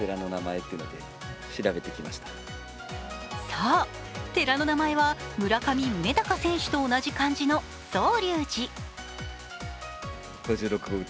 そう、寺の名前は村上宗隆選手と同じ漢字の宗隆寺。